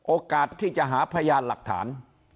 โอกาสที่จะหาพยานหลักฐาน